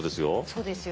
そうですよ。